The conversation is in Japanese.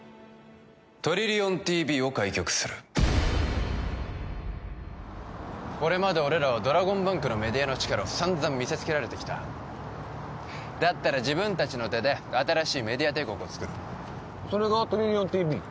トリリオンＴＶを開局するこれまで俺らはドラゴンバンクのメディアの力をさんざん見せつけられてきただったら自分達の手で新しいメディア帝国をつくるそれがトリリオンＴＶ？